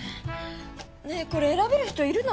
ねぇこれ選べる人いるの？